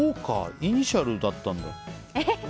イニシャルだったんだ。